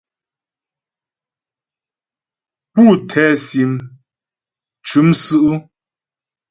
Pú tsə́sim m cʉ́m sʉ́' ʉ́ ?